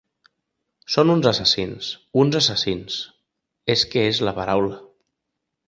Són uns assassins, uns assassins, és que és la paraula.